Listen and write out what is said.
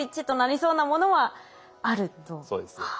そうです。